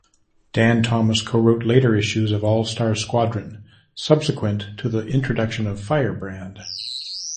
Dann Thomas co-wrote later issues of "All-Star Squadron", subsequent to the introduction of Firebrand.